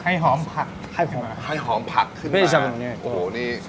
ให้หอมผักให้หอมผักขึ้นมาไม่ใช่แบบนี้